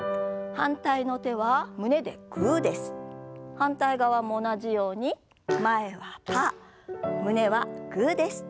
反対側も同じように前はパー胸はグーです。